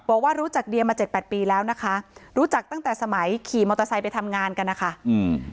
บอกว่ารู้จักเดียมาเจ็ดแปดปีแล้วนะคะรู้จักตั้งแต่สมัยขี่มอเตอร์ไซค์ไปทำงานกันนะคะอืม